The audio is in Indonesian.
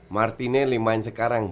martinelli main sekarang